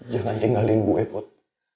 jangan tinggalin gue put